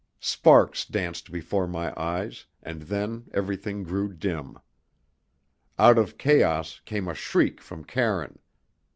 Sparks danced before my eyes, and then everything grew dim. Out of chaos came a shriek from Karine.